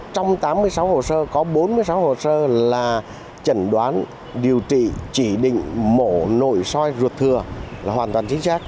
trong tám mươi sáu hồ sơ có bốn mươi sáu hồ sơ là trần đoán điều trị chỉ định mổ nội soi ruột thừa là hoàn toàn chính xác